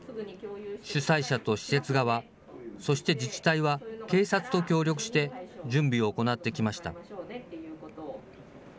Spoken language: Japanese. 主催者と施設側、そして自治体は、警察と協力して準備を行ってきました。